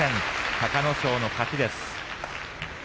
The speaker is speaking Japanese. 隆の勝の勝ちです。